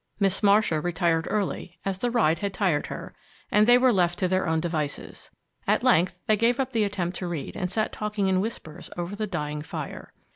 Miss Marcia retired early, as the ride had tired her, and they were left to their own devices. At length they gave up the attempt to read and sat talking in whispers over the dying fire.